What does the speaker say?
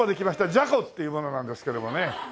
じゃこっていう者なんですけどもね。